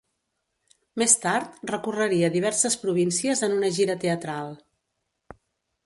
Més tard recorreria diverses províncies en una gira teatral.